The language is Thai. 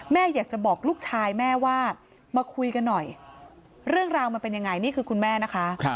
แม่อยากจะบอกลูกชายแม่ว่ามาคุยกันหน่อยเรื่องราวมันเป็นยังไงนี่คือคุณแม่นะคะ